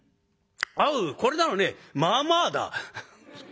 おうこれならねまあまあだ」。